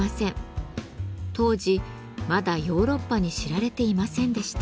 当時まだヨーロッパに知られていませんでした。